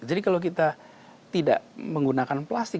jadi kalau kita tidak menggunakan plastik